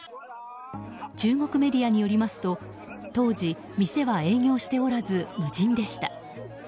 中国メディアによりますと当時、店は営業しておらず無人でした。